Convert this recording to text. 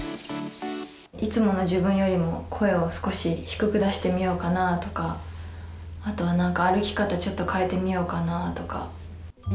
いつもの自分よりも声を少し低く出してみようかなとか、あとはなんか、歩き方ちょっと変えてみようかなとか。